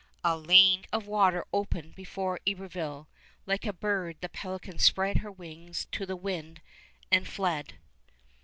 A lane of water opened before Iberville. Like a bird the Pelican spread her wings to the wind and fled.